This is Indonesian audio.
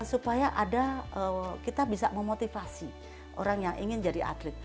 supaya ada kita bisa memotivasi orang yang ingin jadi atlet